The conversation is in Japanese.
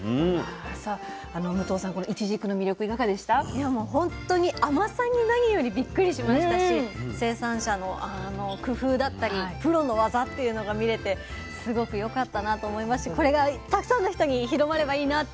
いやもうほんとに甘さに何よりびっくりしましたし生産者の工夫だったりプロの技っていうのが見れてすごくよかったなと思いましてこれがたくさんの人に広まればいいなって